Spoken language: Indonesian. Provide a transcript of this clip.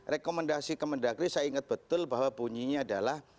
rekomendasi kemendagri saya ingat betul bahwa bunyinya adalah